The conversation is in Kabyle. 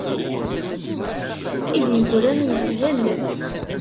I d-yegran yeshel.